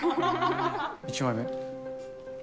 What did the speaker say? １枚目。